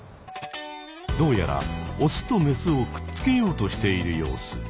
どうやらオスとメスをくっつけようとしている様子。